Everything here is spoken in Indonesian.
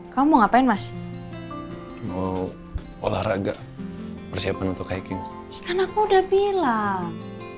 kamu ngapain mas mau olahraga persiapan untuk kayak gini kan aku udah bilang